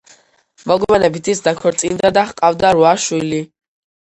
მოგვიანებით ის დაქორწინდა და ჰყავდა რვა შვილი.